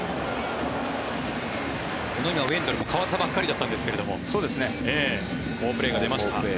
今、ウェンドルも代わったばかりだったんですが好プレーが出ました。